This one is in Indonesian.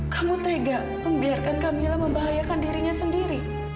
kamu tega membiarkan kak mila membahayakan dirinya sendiri